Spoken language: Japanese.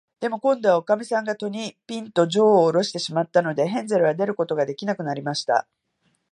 でも、こんどは、おかみさんが戸に、ぴんと、じょうをおろしてしまったので、ヘンゼルは出ることができなくなりました。